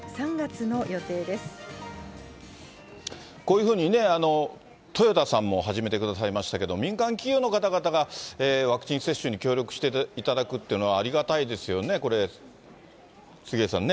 こういうふうにね、とよださんも始めてくださいましたけれども、民間企業の方々がワクチン接種に協力していただくっていうのはありがたいですよね、これ、杉上さんね。